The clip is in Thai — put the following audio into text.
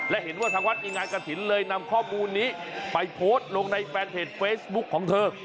และเห็นว่าทางวัดมีงานกระถิ่นเลยนำข้อมูลนี้ไปโพสต์ลงในแฟนเพจเฟซบุ๊คของเธอ